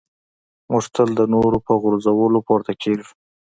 موږ تل د نورو په غورځولو پورته کېږو.